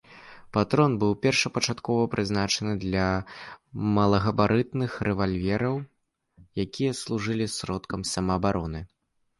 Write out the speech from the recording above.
Патрон быў першапачаткова прызначаны для малагабарытных рэвальвераў, якія служылі сродкам самаабароны.